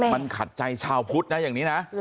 มันขัดใจชาวพุทธนะอย่างนี้นะ